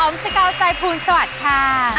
อ๋อมสกาวใจภูมิสวัสดิ์ค่ะ